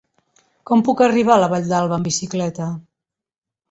Com puc arribar a la Vall d'Alba amb bicicleta?